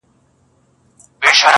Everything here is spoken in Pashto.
واپس دې وخندل واپس راپسې وبه ژاړې,